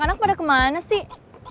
lah anak dua pada kemana sih